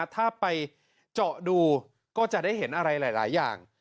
ถ้าไปเจาะดูก็จะได้เห็นอะไรหลายอย่าง